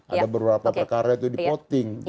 ada beberapa perkara itu dipotting